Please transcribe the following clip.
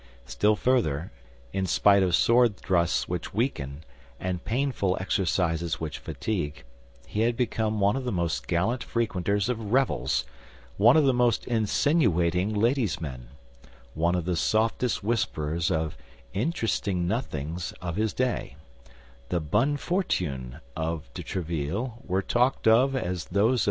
Still further, in spite of sword thrusts which weaken, and painful exercises which fatigue, he had become one of the most gallant frequenters of revels, one of the most insinuating lady's men, one of the softest whisperers of interesting nothings of his day; the bonnes fortunes of de Tréville were talked of as those of M.